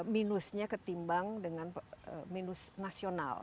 minusnya ketimbang dengan minus nasional